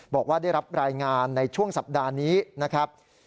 บอกว่าได้รับรายงานในช่วงสัปดาห์นี้นะครับ